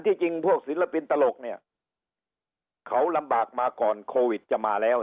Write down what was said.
จริงพวกศิลปินตลกเนี่ยเขาลำบากมาก่อนโควิดจะมาแล้ว